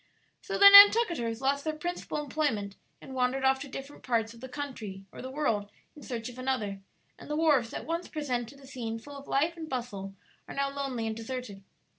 "So the Nantucketers lost their principal employment, and wandered off to different parts of the country or the world in search of another; and the wharves that once presented a scene full of life and bustle are now lonely and deserted.